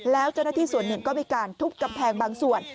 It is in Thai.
แล้วเจ้าหน้าที่ส่วนหนึ่งก็มีการทุบกำแพงบางส่วน